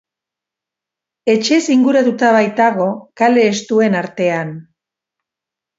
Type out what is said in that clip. Etxez inguratuta baitago, kale estuen artean.